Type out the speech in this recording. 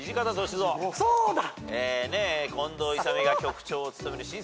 そうだ！